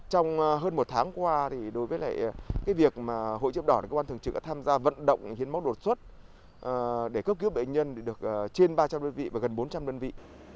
trong hơn một tháng qua thì đối với việc hội chữ đỏ công an thường trực đã tham gia vận động hiến máu đột xuất để cấp cứu bệnh nhân được trên ba trăm linh đơn vị và gần bốn trăm linh đơn vị